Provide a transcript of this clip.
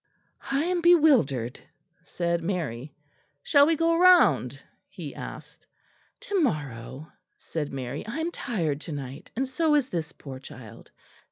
"I am bewildered," said Mary. "Shall we go round?" he asked. "To morrow," said Mary; "I am tired to night, and so is this poor child.